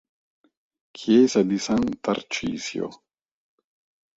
Chiesa di San Tarcisio